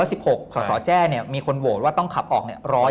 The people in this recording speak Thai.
สสแจ้เนี่ยมีคนโหวตว่าต้องขับออก